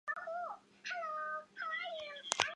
在澳大拉西亚主要分布于北部的半干旱地带。